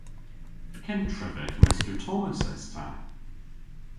Kentrevek Mester Tomos es ta.